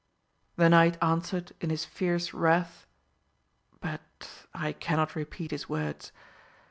The knight answered in his fierce wrath but I cannot repeat his words.